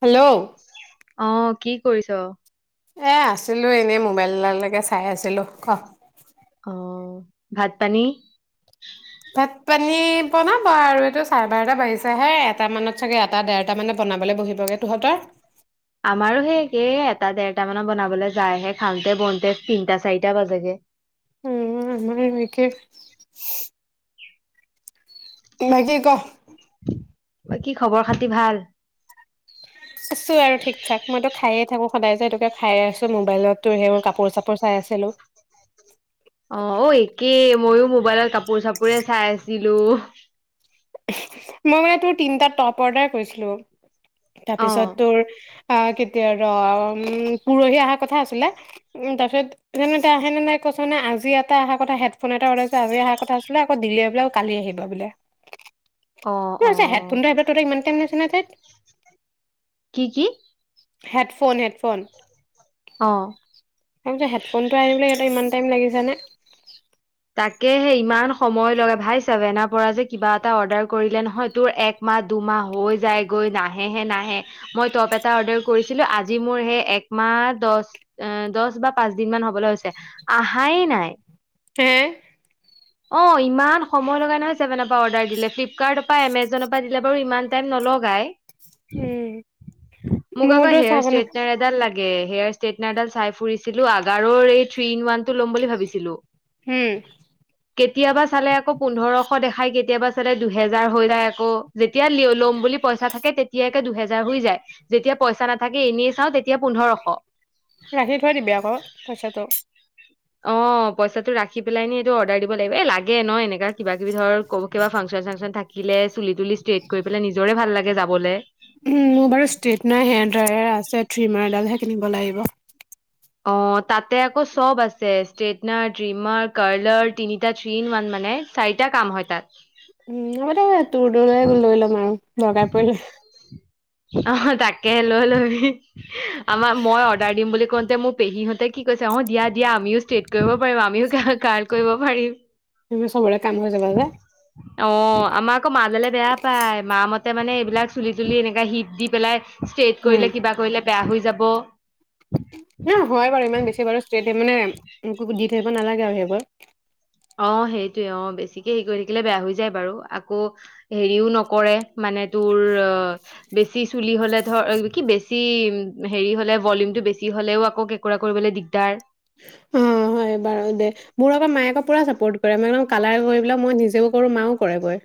Hello অ কি কৰিছ? এ আছিলো এনেই মোবাইললৈকে চাই আছিলো ক, আহ ভাত পানী! ভাত পানী বনাব আৰু টো চাৰে বাৰটা ব বাঢিছে হে এটা মানত চাগে এটা দেৰটা মানে বনাবলৈ বহিবগে তহঁতৰ! আমাৰো সেইেই একেই, এটা দেৰটা মানত বনাবলৈ যায়হে খাওঁতে বওঁতে তিনটা চাৰিটা বাজাগে। উম আমইেনেকে [unintelligible] বাকি ক! [inaudible] কি খবৰ খাতি ভাল! আছো আৰু ঠিক ঠাক মই তো খাইে থাকো সদায় যে সেইটোকে খাইে আছো মোবাইলতো সেইবোৰ কাপোৰ চাপোৰ চাই আছিলো। অ অ একেই মইো মোবাইল বৰ কাপোৰ কাপোৰ চাপোৰে চাই আছিলো। মই মানে তোৰ তিনিটাত টপ অৰ্ডাৰ কৰিছিলো। অ তাৰপিছত তোৰ আহ কেতিয়া ৰ উ পৰহি অহা কথা আছিলে উ তাৰপিছত তেনে আহেনে ন কৈছ নে আজি এটা অহা কথা হেডফোন এটা অৰ্ডাৰ আজি অহা কথা আছিলে আকৌ দিলে বোলে কালি আহিবা বোলে। অ ম অ আছে হেডফোনটো এবাৰ তই ইমান টাইম নাচাতে [unintelligible] কি কি হেডফোন হেডফোন, অ তি হেডফোনটো আহিবলৈ ইমান টাইম লগিছে নে তাকেহে ইমান সময় লগে ভাই চাবে না পৰা যে কিবা এটা অৰ্ডাৰ কৰিলে নহয় তোৰ এক মাহ দুই মাহ হৈ যাই গৈ না। আহে হে নাহে মই টপ এটা অৰ্ডাৰ কৰিছিলো আজি মোৰ সেই একমাহ দহ দহ বা পাঁচ দিন মান হবলৈ হৈছে আহাই নাই হে অ ইমান সময় লগাই নহয় চেভেনৰ পৰা অৰ্ডাৰ দিলে ফ্লিপকাৰ্টৰ পৰা এমেজনৰ পৰা দিলে বাৰু ইমান টাইম নলগাই। উম মোক আকৌ মোৰতো চাহ হেয়াৰ বনা ষ্ট্ৰেটনাৰ এডাল লাগে। হেয়াৰ ষ্ট্ৰেইটনাৰডাল চাই ফুৰিছিলো আগাৰৰ এই থ্ৰী ৱান টো ল'ম বুলি ভাবিছিলো। হম। কেতিয়াবা চালে আকৌ পোন্ধৰশ দেখাই, কেতিয়াবা চালে দুহেজাৰ হৈ যায় আকৌ, যেতিয়া ল'ম বুলি পইচা থাকে তেতিয়াে দুহেজাৰ হৈ যায়, যেতিয়া পইচা নাথাকে এনেই চাওঁ তেতিয়া পোন্ধৰশ। ৰাখি থৈ দিবি আকৌ পইচাটো। অ পইচাটো ৰাখি পেলাই নি এইটো অৰ্ডাৰ দিব লাগিব এ লাগে। এ নহ এনেকা কিবা কিবি ধৰ কিবা ফা চন চাংচন থাকে। চুলি তুলি ষ্ট্ৰেইট কৰি পেলাই নিজৰে ভাল লাগে যাবলৈ। মোৰ বাৰু ষ্টেটনাৰ হেয়াৰ্ৰায়াৰ আছে থি মাৰডালহে কিনি [unintelligible] ব লাগিব অ তাতে আকৌ চব আছে ষ্ট্ৰেটনাৰ, ট্ৰিমাৰ, কাৰ্লাৰ, তিনিটা থ্ৰন ওৱান মানে চাৰিটা কাম হয় তাত। উম আদটু দূৰে গ লুল মাৰু [unintelligible] বগাইাপৰি [unintelligible] অ তাকে লৈ লবি। আমাৰ মই অৰ্ডাৰ দিম বুলি। মোৰ পেহীহঁতে কি কৈছে, অ দিয়া দিয়া আমিও ষ্ট্ৰেট কৰিব পাৰিম আমিও [unintelligible] কৰিব পাৰিম তুমি চবৰে কাম হৈ যাবা যে অ আমাক আকৌ মাললে বেয়া পায় মা মতে [unintelligible] মে এইবাক চুলি এনে [unintelligible] শিপ দি পেলাই। ষ্টেট উম কৰিলে কিবা কৰিলে। বেয়া হৈ যাব। হয় বাৰু ইমান বেছি বাৰু ষ্ট মানে ম দি থাকিব নালাগে আৰু [unintelligible] সেইবোৰ অ সেইটোৱে অ বেছিকে হেৰি কৰি থাকিলে বেয়া হৈ যায় বাৰু, আকৌ হেৰিও নকৰে মানে তোৰ অ বেছি চুলি হলে ধৰ কি বেছি হেৰি হলে ভ বেছি হলেও আকৌ কেঁকোৰা কৰিবলৈ দিগদাৰ [unintelligible] অ হয় বাৰু দে মোৰ আকৌ মায়েকৌ পুৰা। কালাৰেলাই মই নিজেও কৰোঁ মাও কৰেৈ [unintelligible]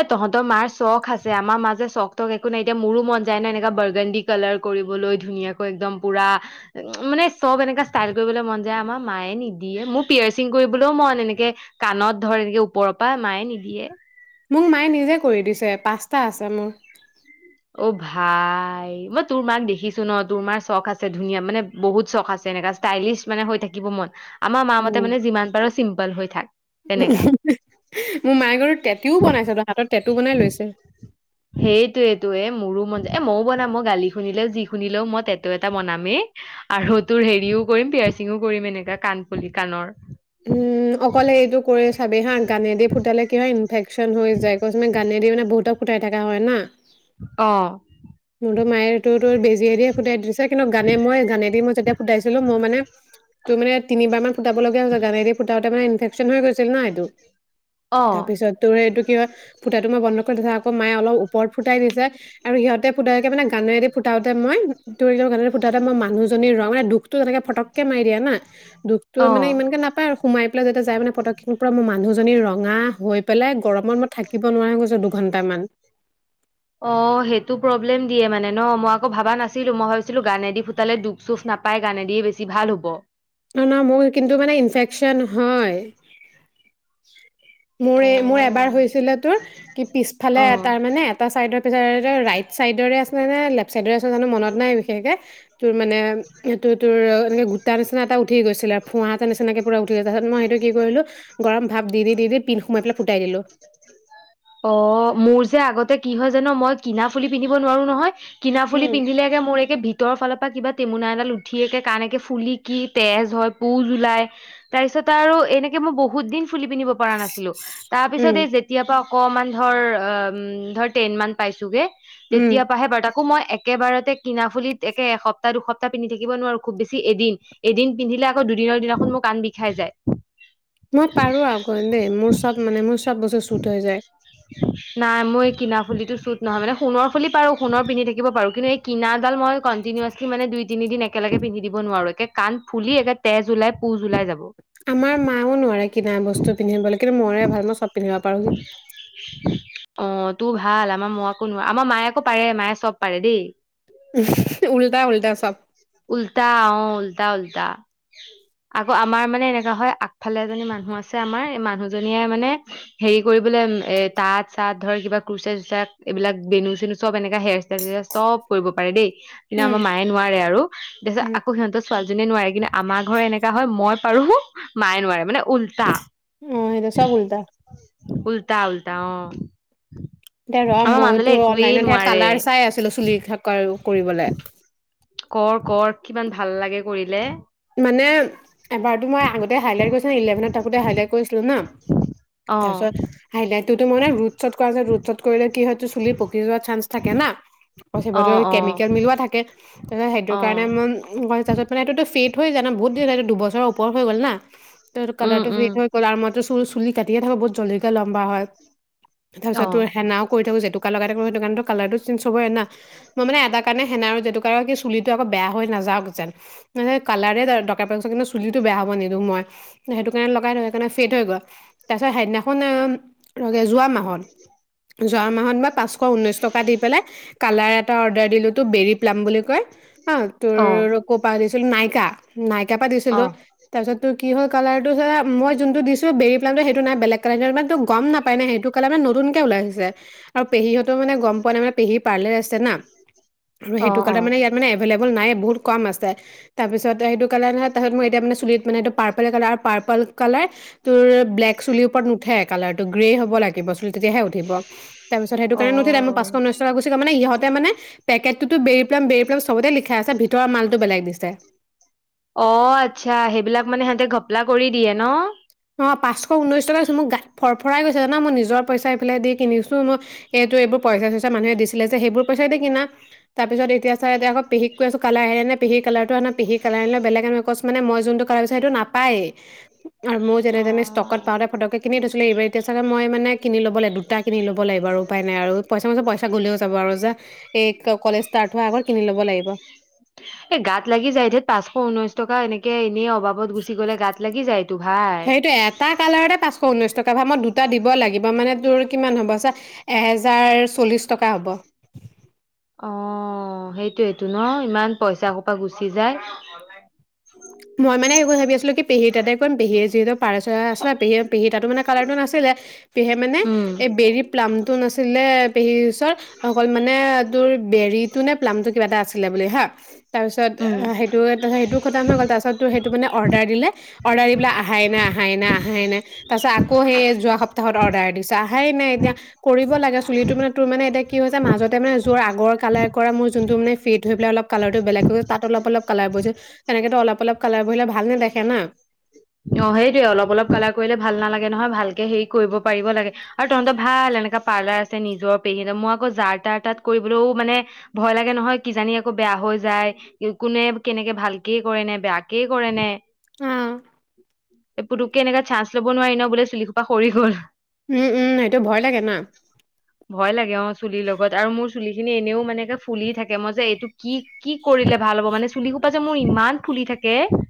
এ তহঁতৰ মাৰ চখ আছে। আমাৰ মা যে চখ তখ একো নাই, এতিয়া মোৰো মন যায় ন এনো বাৰগাণ্ডি কালাৰ কৰিবলৈ, ধুনীয়াকৈ একদম পুৰা মানে চব এনেকা ষ্টাইল কৰিবলৈ মন যায়, আমাৰ মায়ে নিদিয়ে মোৰ পিয়াৰচিং কৰিবলৈও মন এনেকে কাণত ধৰ এনেকে ওপৰৰ পৰা মায়ে নিদিয়ে। মোক মায়ে নিজে কৰি দিছে, পাঁচটা আছে মোৰ। অ ভাই মই তোৰ মাক দেখিছো ন, তোৰ মাৰ চখ আছে ধুনীয়া মানে বহুত চখ আছে এনেকাা ষ্টাইলিছ মানে হৈ থাকিব মন। আমাৰ মতে উম মানে যিমান পাৰোঁ চিম্পল। ল হৈ থাক তেনেকা মোৰ মায়ে বাৰু টেঁটু বনাইছে, তই হাতত তেটেঁটুও বনাই লৈছে। সেইটোয়েতো এ মোৰো মন যায় এ মইও বনাম মই গালি শুনিলেও যি শুনিলেও টেঁটু এটা বনামেই, আৰু তোৰ হেৰিও কৰিম পিয়াৰচিংও কৰিম এনেকা কাণ পুলি কাণৰ। উম অকলে এইটো কৰি চাবি হা, গানেদি ফুটালে কি হয় ইনফেকচন হৈ যায় কৈছো নহয় গানেদি মানে বহুতক। থকা হয় না অ মোৰতো মায়ে তটো তোৰ বেজিয়ে দিয়ে ফুটাই দিছে কিন্তু, গানে মই গানেদি মই যেতিয়া ফুটাইছিলো মই মানে। তোৰ মানে তিনিবাৰ মান। সুাবল লগীয়া য [unintelligible] ফুটাও তে মানে ইনফেকশন হৈ গৈছিল ন এইটো অ তাৰপিছত তোৰ এইটো ফুটাটো মই বন্ধ কৰি থ আকৌ মায়ে অলপ ওপৰত ফুটাই দিছে, আৰু সিহঁতে ফুটাইে মানে গানেৰেদি ফুটাওতে মই ত গানেদি ফুটাওতে মই মানুহজনীৰ ৰ মানে দুখটো তেনেকে ফটকে মি দিয়া না দুখতো অ মানে ইমানকৈ নাপ সেই ফালে পাই যাই মানে ফটকে মানুহজনী ৰঙা হৈ পেলাই গৰমত মই থাকিব নোৱাৰ হৈ গৈছোঁ দুঘণ্টামান। অ সেইটো প্ৰব্লেম দিয়ে মানে ন মই আক ভবা নাছিলো মই ভাবিছিলো গানেদি ফুটালে দুখ চুখ নাপাই গানেদিয়ে বেছি ভাল হব। অঁ ন মোৰ কিন্তু মানে ইনফেকশচন হয় মোৰ মোৰ এবাৰ হৈছিলে তোৰ কি পিছফালে অ অ তাৰ মানে এটা চাইডত ৰাইট চাইডৰে আছে নে লেফ্ট চাইডৰে আছে জানো মনত নাই বিশেষকে তোৰ মানে সেইটোত তোৰ এনেকে গোটাৰ এটা উঠি গৈছিলে এ পোহা এটা নিচিনা উঠি গৈছে তা পাছত মই সেইটো কি কৰিলো গৰম ভাৱ দি দি দি পিন্ সোমা পেলাই ফুটাই দিলো অঁ মোৰ যে আগতে কি হয় জানো মই কিনা ফুলি পিন্ধিব নোৱাৰো নহয় কিনা ফুলি উম পিন্ধিলেগে মোৰ একে ভিতৰ ফালৰ পৰা কিবা টেমুনা এডাল উঠিয়েকে পকে ফুলি কি তেজ হয় পুজ ওলাই তাৰ পিছত আৰু এনেকে মই বহুত দিন ফুলি পিন্ধিব পৰা নাছিলো তাৰ পিছত উম এই যেতিয়া পাওঁ অকনমান ধৰ ধৰ টেন মান পাইছোৱে গে তেতিয়া উম পৰা আহে বটা অঁ মই একেবাৰতে কিনা ফুলিত একে এসপ্তাহ দুসপ্তাহ পিন্ধি থাকিব নোৱাৰো খুব বেছি এদিন এদিন পিন্ধিলে আকৌ দুদিনৰ দিনাখন মোক আন বিষাই যায়। মই পাৰো আকৌ দেই মোৰ চব মানে মোৰ চব বস্তু চুট হৈ যায় নাই মই এই কিনা ফুলিতটো চুত নহয় ন সোণৰ ফুলি পাৰো সোণৰ পিন্ধি থাকিব পাৰো কিন্তু এই কিনাডাল মই কণ্টিনিউাচলি মানে দুই তিনিদিন একেলগে পিন্ধি দিব নোৱাৰো একে কাণ ফুলি একে তেজ ওলাই পুজ ওলাই যাব। আমাৰ মা ওঁ নোৱাৰে কিনা বস্তু পিন্ধিব লে, কিন্তু মই হে ভাল মই চব পিন্ধিব পাৰোহি অহ, তোৰ ভাল আমাৰ মই আকৌ নোৱাৰ আমাৰ মাই আকৌ পাৰে মায়ে চব পাৰে দেই। উহ-হম উল্টা -উল্টা চব। উল্টা অ উল্টা -উল্টা আকৌ আমাৰ মানে এনেকা হয় আগফালে এজনী মানুহ আছে ছে আমাৰ মানুহজনীয়ে মানে হেৰি কৰিবলৈ এ তাঁত চাত ধৰ কিবা কুৰচা চুৰচা এইবিলাক বেনু চেনু চব এনেকা হেয়াৰ ষ্টাইল চব কৰিব পাৰে দেই। কিন্তু উম আমাৰ মায়ে নোৱাৰে আৰু তাৰপিছত উম আকৌ সিহঁতৰ ছোৱালী যোনে নোৱাৰে কিন্তু আমাৰ ঘৰ এনেকা হয় মই পাৰো মায়ে নোৱাৰে মানে উল ল্টা। অহ, সেইটো চব উল্টা। উল্টা- উল্টা অহ। দেহৰহ ময়ো তোৰ অনলাইনত হে নোৱাৰে কালাৰ চাই আছিলো চুলি থ কৰিবলে। কৰ -কৰ কিমান ভাল লাগে কৰিলে। মানে এবাৰতো মই আগতে হাইলাইট কৰিছিলো ইলেভেনত থাকোতে হাইলাইট কৰিছিলো ন অ তাৰপিছত হাইলাইট টোতো মই মানে ৰুটচত ৰুটচত কৰিলে কি হয় চুলি পকি যোৱা চান্স থাকে না অ সেইবোৰত টো অ কেমিকেল মিলোৱা থাকে তাৰপিছত সেইটো অ কাৰণে ম তাৰছত মানে সেইটোতো ফেড বহুত দেৰি থাকে দুবছৰ ওপৰ হৈ গল না। তোৰ উম কালাৰ টো উম ফেড হৈ গল আৰু মইটো চুল চুলি কাটিয়ে থাকো বহুত জলদিকে লম্বা হয়। অ তাৰপিছত তোৰ হেনাও কৰি থাকো যেত জেতুকা লগাই থাকো সেইটো কাৰনেটো কালাৰটো চেঞ্জ হবই না মই মানে এটা কাৰণে সেনা আৰু জেতুকা লগাও কি চুলিটো আকৌ বেয়া হৈ নাযাওক যেন মানে কালাৰে যাউক দৰকাৰ পৰিছে চুলিটো বেয়া হব নিদো মই সেইটো কাৰণে লগাই থাকো সেইট ফেড হৈ গল মই তাৰপিছত সেই দিনাখন ৰহ যোৱা মাহত - যোৱা মাহত মই পাঁচশ ঊনৈশ টকা দি পেলাই কালাৰ এটা অৰ্ডাৰ দিলো তো বেৰি প্লাম বুলি কয় হা অ তোৰ কৰপা আনিছিল নাই ইকা নাই কেপা অ দিছিলো তাৰ পিছত তোৰ কি হল কালাৰটো যে মই যোনটো দিছো বেৰি প্লামটো সেইটো নাই বেলেগ কালাৰ মানে টোৰ ইমান গম নাপায় না সেইটো কালাৰ নতুনকে ওলাইছে। আৰু পেহীহত টো মানে গম পোৱা নাই মানে পেহী পাৰ্লাৰ আছে না আৰু অ সেইটো অ কালাৰ মানে ইয়াত মানে এবেলেভেল নাই বহুত কম আছে। তাৰপিছতে সেইটো কালাৰ নহয় তাৰপিছত মই এতিয়া মানে চুলিত মানে এইটো পাৰ্পল কালাৰ আৰু পাৰ্পল কালাৰ তোৰ ব্লেক চুলিৰ ওপৰত নুঠে কালাৰটো গ্ৰে হব লাগিব চুল তেতিয়াহে উঠিব তাৰ পিছত সেইটো অ কাৰণে নুঠিলে মোৰ পাঁচশ ঊনৈশ টকা গুছি গল মানে ইহত তেমানে পেকটটোতো বেৰি প্লাম -বেৰি প্লাম চবতে লিখা আছে ভিতৰৰ মালটো বেলেগ দিছে। অহ, আচ্ছা সেইবিলাক মানে সিহঁতে ঘপলা কৰি দিয়ে ন? অহ, পাঁচশ ঊনৈশ টকা লৈছে মোৰ গাত ফৰফৰাই গৈছে জানা মই নিজৰ পইচা এইফাল দি কিনিছো মই এইটো এইবোৰ পইচা চইচা মানুহে দিছিলে যে সেইবোৰ পইচাই দি কিনা তাৰপিছত এতিয়া ছা যে আকৌ পেহীক কৈ আছো কালাৰ আহেনে পেহীৰ কালাৰটো আনা পেহীৰ কালাৰ আনে নে বেলেগ আনে কজ মানে মই যোনটো কালাৰটো সেইটো নাপায়েই যেনেতেনে ষ্টকত পাওতে ফটকে কিনি থৈছিলো এইবাৰ এতিয়া চাগে মই মানে কিনি লব দুটা কিনি লাগিব উপায় নাই আৰু পইচা মানে পইচা গ'লেও যাব আৰু যা এক কলেজ ষ্টাৰ্ট হোৱাৰ আগত কিনি লব লাগিব। এ গাত লাগি যায়ঠেত পাঁচশ ঊনৈশ টকা এনেকে এনেই অবাবত গুচি গলে গাত লাগি যায়। সেইটো এটা কালাৰতে পাচ শ ঊনৈছ টকা। বা মই দুটা দিব লাগিব, মানে তোৰ কিমান হ'ব ছা, এহেজাৰ চল্লিছ টকা হ'ব। অ সেইটোয়েটো ন, ইমান পইচা সোপা গুচি যায়। মই [unintelligible] পাৰে চ' আছিলে, পেহী পেহী তাতো মানে কালাৰটো নাছিলে, পেহীয়ে মানে উম এই বেৰী প্লামটো নাছিলে পেহীৰ ওচৰত অকল মানে তোৰ বেৰীটো নে প্লামটো কিবা এটা আছিলে বুলি হা। তাৰ পিছত উম অ' সেইটো তাৰপিছত সেইটো খতম হৈ গ'ল তাৰপিছত তাত সেইটো মানে অৰ্ডাৰ দিলে, অৰ্ডাৰ দি পেলাই আহাই নাই, আহাই নাই, আহাই নাই, তাৰপাছত আকৌ সেই যোৱা সপ্তাহত অৰ্ডাৰ দিছ, আহাই নাই এতিয়া,, কৰিব লাগে চুলিটো মানে তোৰ মানে এতিয়া কি হৈছে মাজতে মানে যোৱাৰ আগৰ কালাৰ কৰা মোৰ যোনটো মানে ফেড হৈ পেলাই অলপ কালাৰটো বেলেগ তাত অলপ অলপ কালাৰ বৈছ তেনেকে অলপ অলপ কালাৰ বহিলে ভাল নেদেখে না। অ' সেইটয়ে অলপ অলপ কালাৰ কৰিলে ভাল নালাগে নহয়, ভাল হেৰি কৰিব। পাৰিব লাগে, আৰু তহঁতৰ ভাল এনেকা পাৰ্লাৰ আছে বা নিজৰ পেহী হেতৰ মই আকৌ যাৰ তাৰ তাত কৰিবলৈও মানে ভয় লাগে নহয়, কিজানি আকৌ বেয়া হৈ যায়, কোনে কেনেকে ভালকে কৰে নে বেয়াকে কেই কৰে নে? অ'। এই পুতুককে এনেকে চাঞ্চ ল'ব নোৱাৰি ন, বোলে চুলি সোপা সৰি গ'ল। উম, উম, সেইটো ভয় লাগে না। ভয় লাগে, অ'! চুলিৰ লগত আৰু মোৰ চুলিখিনি এনেও মানেকে ফুলি থাকে মই যে এইটো কি, কি কৰিলে ভাল হ'ব মানে চুলিসোপা যে মোৰ ইমান ফুলি থাকে কে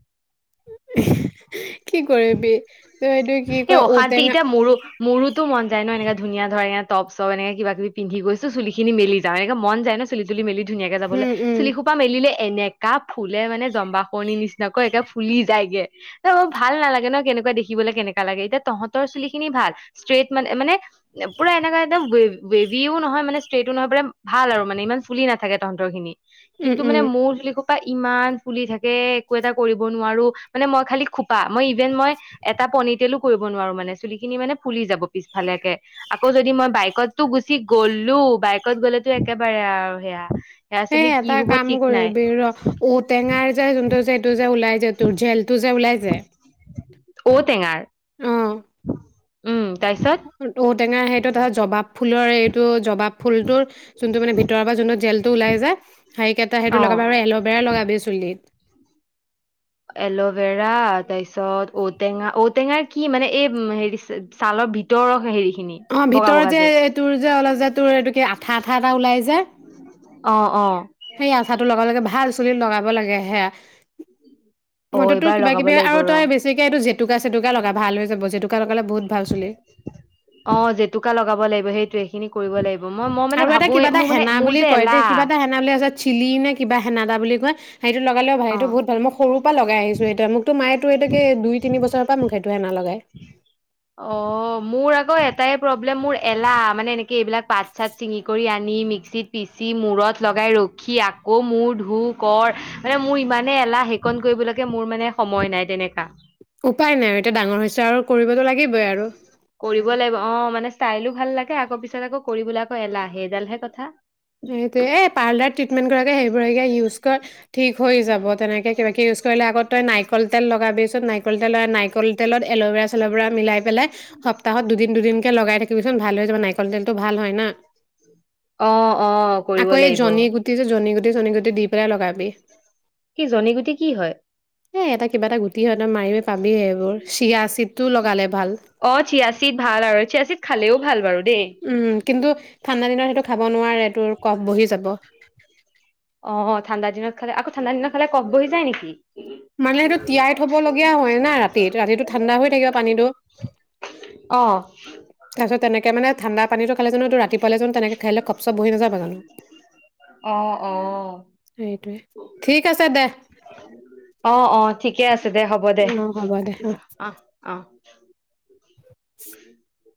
কি কৰিবি তই এইটো কি এই কয় অশান্তি ঔটেঙা এতিয়া মোৰ, মোৰোতো মন যায় ন, এনেকা ধুনীয়া ধৰ তপ চপ এনে কিবা কিবি পিন্ধি গৈছোঁ, চুলিখিনি মেলি যাও এনেকে মন যায় ন চুলি তুলি মে ধুনীয়াকে যাবলৈ, উম, উম, চিলুলিসোপা মেলিলে এনেকা ফুলে মানে জম্বাসুৰনি নিচিনা। নকয় একে ফুলি যায়গে। ত' ভাল নালাগে ন, কেনেকুৱা দেখিবলৈ শিকিবলৈ কেনেককা লাগে। এতিয়া তহতৰ চুলি খিনি ভাল ষ্ট্ৰেইট মানে, মানে পোৰা এনেকা একদম। ৱেভিও নহয়, মানে ষ্ট্ৰেইটো নহয় মানে, ভাল আৰু মানে ইমান ফুলি নাথাকে তহতৰ খিনি। উম, কিন্তু উম, মানে মোৰ চুলি সোপা ইমান ফুলি থাকে, একো এটা কৰিব নোৱাৰোঁ। মানে মই খালি খোপা, মই ই যেন মই এটা পনি টেইলো কৰিব নোৱাৰোঁ মানে, চুলি খিনি মানে ফুলি যাব পিছফালেকে, আকৌ যদি মই বাইক আগতো গুচি গ'লো। বাইকত কত গ'লেতো একেবাৰে আৰু সেয়া সেয়া সেই চুলি কি এটা হব কাম ঠিক নাই কৰিবি ৰ ঔটেঙাৰ যে যোনটো যে এইটো যে ওলাই যে তোৰ জেলটো যে ওলাই যে ঔ টেঙাৰ। অ', [inaudible] উম। তাৰপিছত টেঙা সেইটো ধৰ জবাব ফুলৰ এই টো জবাব ফুল টোৰ যোনটো, মানে ভিতৰৰ যোনত জেল টো ওলাই যে, সেই কেইটা সেইটো অ লগাবা আৰু এল'ভেৰা লগাবি চুলিত। এল'ভেৰা তাৰপিছত ঔটেঙা-ঔটেঙাৰ কি মানে এই হেৰি ছালৰ ভিতৰৰ হেৰি খিনি বগা ভিতৰত বগা যে তোৰ যে অলপ যে টোৰ এটো আঠা-আঠা এটা ওলাই যে অ-অ। সেই আঠাটো লগাব লাগে ভাল চুলিত লগাব লাগে সেয়া অ মই ত তোৰ এইবাৰ কিবা লগাব কিবি লাগিব আৰু ৰ তই বেছিকে এইটো জ তুকা ছেটুকা লগা ভাল হয় যাব, জেতোকা লগ অ', জেতুকা লগাব লাগিব, সেইটোয়ে। এইখিনি কৰিব লাগিব। মই মই মানে আৰু এটা ভাবোৱে কিবা এটা মোৰ মানে হেনা মোৰ বুলি যে কয় দে, কিবা এটা এলাহ হেনা বুলি আছে, চিলি নে কিবা হেনা। বা বুলি কয় সেইটো লগালে ভাল, এইটো অ বহুত ভাল মই সৰুৰ পৰা লগাই আহিছো সেইটো, মোকতো মায়ে টো এইটাকে দুই তিনি বছৰৰ পৰা মোক সেইটো হেনা লগাই। অ' মোৰ আকৌ এট এটাই প্ৰব্লেম মোৰ এলাহ, মানে এনে কে এইবিলাক পাত-চাত চিঙি কৰি আ নি মিক্সিত পিচি, মূৰত লগাই ৰখি, আকৌ মূৰ ধো কৰ আহ মানে মোৰ ইমানে এলাহ সেইকণ কৰিবলৈকে মোৰ মানে সময় নাই তেনেকা। উপায় নাই আৰু এতিয়া ডাঙৰ হৈছে আৰু কৰিবতো লাগিবই আৰু কৰিব লাগিব অ' মানে ষ্টাইলো ভাল লাগে, আকৌ পিছত আকৌ কৰিবলৈ আকৌ এলাহ, সেইডালহে কথা। সেইটোৱে পাৰ্লাৰ ট্ৰিটমেন্ট কৰাতকে সেইবোৰ কে ইউজ কৰ ঠিক হৈ যাব, তেনেকে কিবা কি ইউজ কৰিলে, আকৌ তই নাৰিকল তেল লগাবিচোন, নাৰিকল তেল নাৰিকল তেলত এল'ভেৰা চেল'ভেৰা মিলাই পেলাই। সপ্তাহত দুদিন দুদিন কে লগাই থাকিবচোন ভালে হৈ যাব নাৰিকল তেলটো ভাল হয় না অ'! অ'! কৰিব আকৌ এই, লাগিব যোনি গুটিতো, যোনি গুটি, চনি গুটি তে দিপেলাই লগাবি। কি যোনি গুটি কি হয়? এ এটা কিবা এটা গুটি হয়। [unintelligible] মাৰিলে পাবি এইবোৰ? চিয়া চিতটো লগালে ভাল অ চিয়াচিত ভাল আৰু চিয়াচিত খালেও ভাল বাৰু দেই। উম। কিন্তু ঠাণ্ডা দিনত সেইটো খাব নোৱাৰে তোৰ কফ বহি যাব। অ ঠাণ্ডাদিনত খালে আকৌ ঠাণ্ডা দিনত খালে কফ বহি যায় নেকি? মানে সেইটো তিয়াই থব লগীয়া হয় না ৰাতিত, ৰাতিটো ঠাণ্ডা হৈ থাকিব পানীটো। অ তাৰপিছত তেনেকে মানে ঠাণ্ডা পানীটো খালে জানোটো ৰাতিপুৱালে জানো তেনেকে খাইদিলে কপ চপ বহি নাযাব জানো, অ অ সেইটোৱে ঠিক আছে দে। অ অ ঠিকে আছে দে হ'ব দে, অ' হ'ব দে, ৰাখিছ অ অ। উ [inaudible] উম [inaudible]